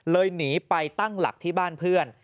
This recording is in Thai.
หนีไปตั้งหลักที่บ้านเพื่อน